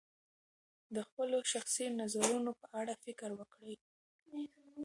د خپلو شخصي نظرونو په اړه فکر وکړئ.